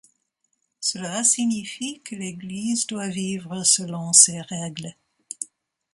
Cela signifie que l'Église doit vivre selon ses règles.